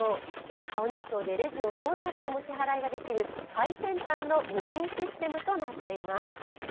顔認証でレジを通らなくても支払いができる最先端の無人システムとなっています。